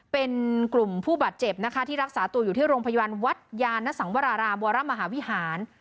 เป็นกลุ่มผู้บาดเจ็บนะคะที่รักษาตัวอยู่ที่โรงพยาบาลวัดยานสังวรารามวรมหาวิหาร